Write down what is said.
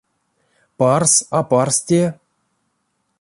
Парс а парс те?